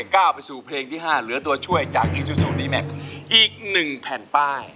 ก้าวไปสู่เพลงที่๕เหลือตัวช่วยจากอีกหนึ่งแผ่นป้าย